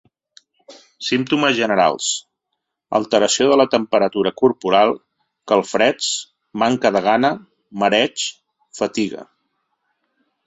Símptomes generals: alteració de la temperatura corporal, calfreds, manca de gana, mareig, fatiga.